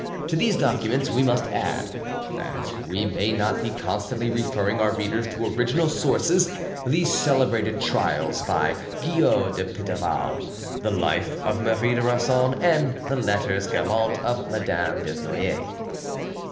To these documents we must add—that we may not be constantly referring our readers to original sources—the Celebrated Trials by Guyot de Pitaval, the Life of Marie de Rossan, and the Lettres galantes of Madame Desnoyers.